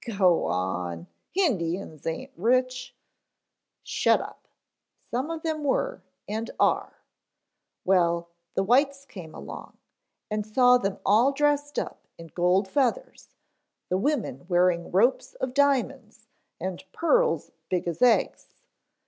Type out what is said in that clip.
"Go on, Indians aint rich." "Shut up, some of 'em were and are. Well, the whites came along, and saw them all dressed up in gold feathers, the women wearing ropes of diamonds and pearls big as eggs.